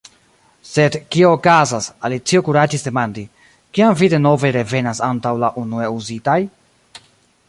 "Sed kio okazas," Alicio kuraĝis demandi, "kiam vi denove revenas antaŭ la unue uzitaj?"